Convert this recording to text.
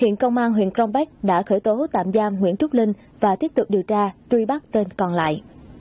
hiện công an huyện crong bách đã khởi tố tạm giam nguyễn trúc linh và tiếp tục điều tra truy bắt tên còn lại